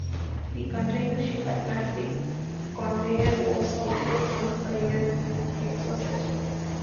The container ship "Atlantic Conveyor" was also sunk by an "Exocet".